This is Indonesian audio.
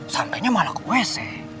sampainya malah ke wc